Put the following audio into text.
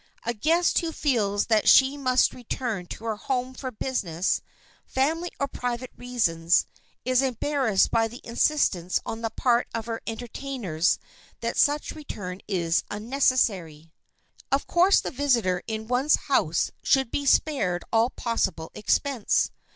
A guest who feels that she must return to her home for business, family or private reasons, is embarrassed by the insistence on the part of her entertainers that such return is unnecessary. [Sidenote: A GUEST'S EXPENSES] Of course, the visitor in one's house should be spared all possible expense.